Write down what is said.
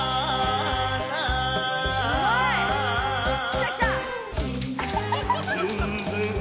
きたきた！